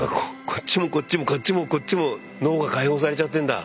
こっちもこっちもこっちもこっちも脳が解放されちゃってんだ。